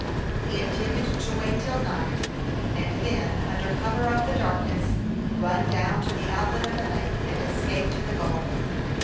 He intended to wait till night, and then, under cover of the darkness, run down to the outlet of the lake, and escape to the Gulf.